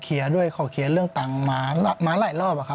ขอเคลียร์ด้วยขอเคลียร์เรื่องต่างหมาหลายรอบครับ